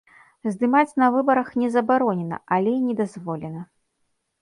Здымаць на выбарах не забаронена, але і не дазволена.